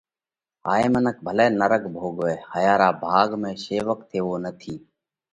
ھائي منک ڀلئہ نرڳ ڀوڳوئہ ھايا را ڀاڳ ۾ شيوڪ ٿيوو نٿِي۔